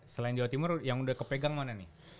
selain jawa timur yang udah kepegang mana nih